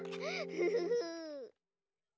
フフフ。